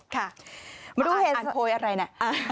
ค่ะมาดูเห็นอ่านโพยอะไรนะ